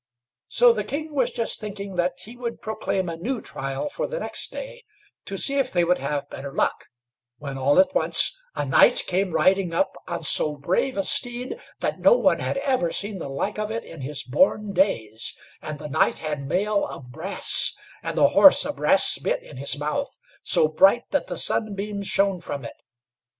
So the king was just thinking that he would proclaim a new trial for the next day, to see if they would have better luck, when all at once a knight came riding up on so brave a steed, that no one had ever seen the like of it in his born days, and the knight had mail of brass, and the horse a brass bit in his mouth, so bright that the sunbeams shone from it.